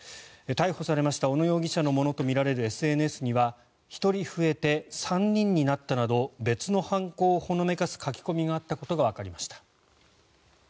逮捕されました小野容疑者のものとみられるＳＮＳには１人増えて３人になったなど別の犯行をほのめかす書き込みがあったことがわかりました。